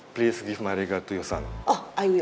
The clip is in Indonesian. tolong berikan regal saya ke anakmu